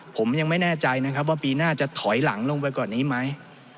ผมยังไม่แน่ใจนะครับว่าปีหน้าจะถอยหลังลงไปกว่านี้ไหม